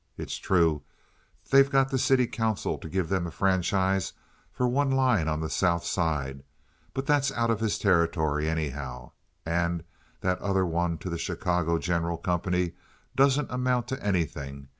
It's true they got the city council to give them a franchise for one line on the South Side; but that's out of his territory, anyhow, and that other one to the Chicago General Company doesn't amount to anything.